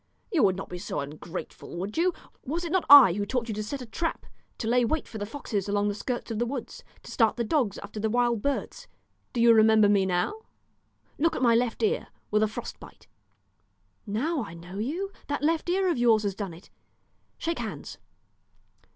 You would not be so ungrateful, would you? Was it not I who taught you to set a trap, to lay wait for the foxes along the skirts of the woods, to start the dogs after the wild birds? Do you remember me now? Look at my left ear, with a frost bite." "Now I know you; that left ear of yours has done it; Shake hands."